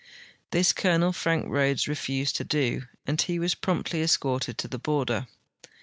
This Colonel Frank Rhodes refused to do, and he Avas jn'omptly escorted to the border.